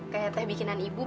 kayak teh bikinan ibu